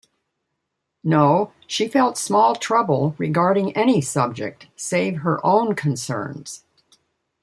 No, she felt small trouble regarding any subject, save her own concerns.